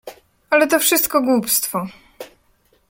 "Ale to wszystko głupstwo."